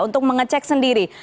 untuk mengecek sendiri